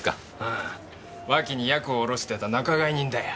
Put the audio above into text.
ああ脇にヤクを卸してた仲買人だよ。